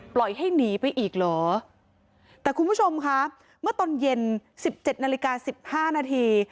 ปล่อยให้หนีไปอีกเหรอแต่คุณผู้ชมคะเมื่อตอนเย็นสิบเจ็ดนาฬิกาสิบห้านาที